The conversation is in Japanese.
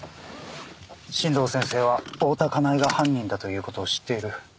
新道先生は大多香苗が犯人だという事を知っている。